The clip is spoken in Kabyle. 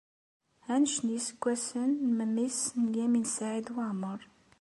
Anect n yiseggasen n memmi-s n Lyamin n Saɛid Waɛmeṛ?